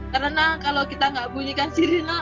karena kalau kita nggak bunyikan sirine